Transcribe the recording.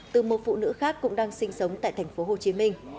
từ một phụ nữ khác cũng đang sinh sống tại thành phố hồ chí minh